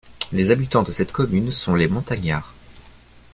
Les habitants de cette commune sont les Montagnards.